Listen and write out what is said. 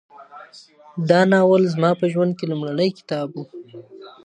دا ناول زما په ژوند کي لومړنی کتاب و.